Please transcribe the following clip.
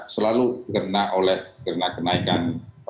selalu kenaikan jumlah virus